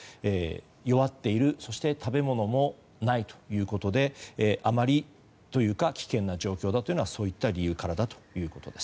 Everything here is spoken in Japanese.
弱っている、そして食べ物もないということであまりというか危険な状況だというのはそういった理由からだということです。